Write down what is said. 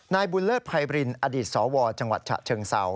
นายบุญเลิศภัยบรินอดีตสวจังหวัดฉะเชิงเศร้า